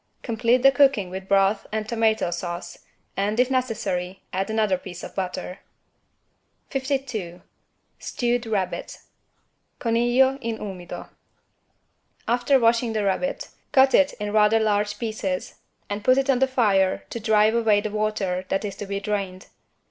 Complete the cooking with broth and tomato sauce and, if necessary, add another piece of butter. 52 STEWED RABBIT (Coniglio in umido) After washing the rabbit, cut it in rather large pieces and put it on the fire to drive away the water that is to be drained.